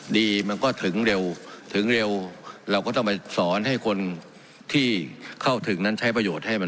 ดีมันก็ถึงเร็วถึงเร็วเราก็ต้องไปสอนให้คนที่เข้าถึงนั้นใช้ประโยชน์ให้มัน